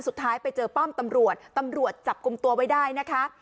สุดท้ายไปเจอป้อมตำรวจตำรวจจับกลุ่มตัวไว้ได้นะคะ